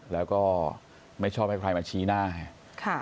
แล้วก็ไม่ชอบให้ใครมาชี้หน้าไง